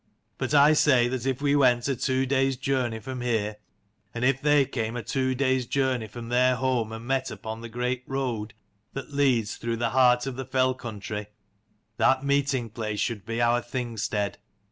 But I say that if we went a two days' journey from here, and if they came a two days' journey from their home, and met upon the great road that leads through the heart of the fell country, that meeting place should be our Thing stead.